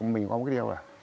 mình có một cái điều là